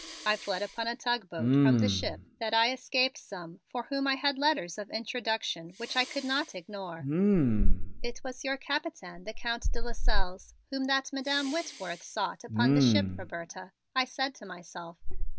I fled upon a tug boat from the ship that I escape some for whom I had letters of introduction which I could not ignore." "It was your Capitaine, the Count de Lasselles, whom that Madam Whitworth sought upon the ship, Roberta," I said to myself.